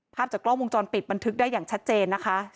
ภาพจากกล้องวงจรปิดบันทึกได้อย่างชัดเจนนะคะ